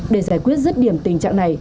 để giải quyết rứt điểm tình trạng